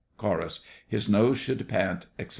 CHORUS.—His nose should pant, etc.